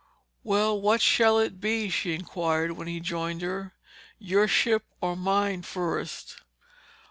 "Well, what shall it be?" she inquired when he joined her. "Your ship or mine, first?"